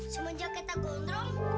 semenjak kita gondrong